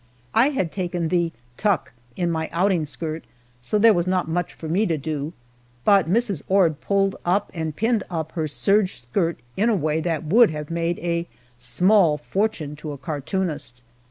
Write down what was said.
I had taken the "tuck" in my outing skirt, so there was not much for me to do; but Mrs. Ord pulled up and pinned up her serge skirt in a way that would have brought a small fortune to a cartoonist.